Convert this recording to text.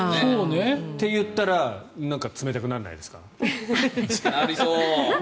と言ったら冷たくならないですか？